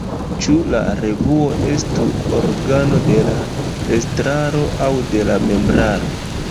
Ĉu la revuo estu organo de la estraro aŭ de la membraro?